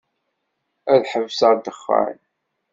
Ad ḥebseɣ ddexxan.